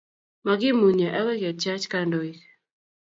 Makimunye akoi kityach kandoik